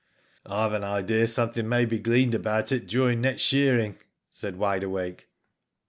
" I have an idea something may be gleaned about it during next shearing," said Wide Awake.